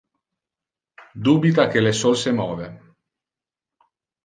Dubita que le sol se move.